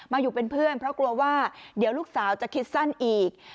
อยู่เป็นเพื่อนเพราะกลัวว่าเดี๋ยวลูกสาวจะคิดสั้นอีก